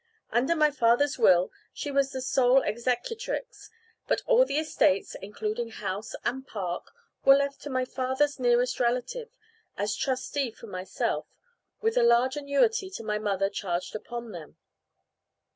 Under my father's will she was the sole executrix; but all the estates (including house and park) were left to my father's nearest relative, as trustee for myself, with a large annuity to my mother charged upon them.